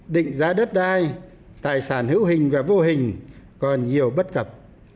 định giá đất đai tài sản hữu hình và vô hình còn nhiều bất cập